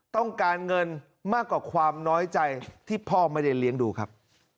ต้องการเงินมากกว่าความน้อยใจที่พ่อไม่ได้เลี้ยงดูครับ